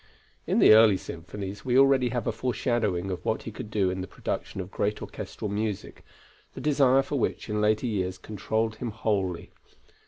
In the early symphonies we already have a foreshadowing of what he could do in the production of great orchestral music, the desire for which in later years controlled him wholly.